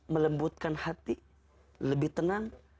melembutkan hati lebih tenang